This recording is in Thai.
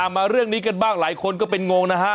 มาเรื่องนี้กันบ้างหลายคนก็เป็นงงนะฮะ